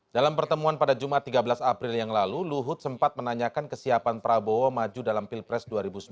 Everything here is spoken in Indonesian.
dalam pertemuan pada jumat tiga belas april yang lalu luhut sempat menanyakan kesiapan prabowo maju dalam pilpres dua ribu sembilan belas